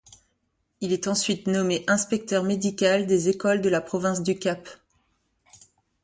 Il est ensuite nommé inspecteur médical des écoles de la province du Cap.